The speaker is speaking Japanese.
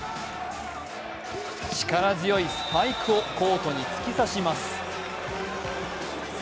力強いスパイクをコートに突き刺します。